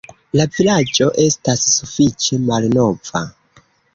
La vilaĝo estas sufiĉe malnova.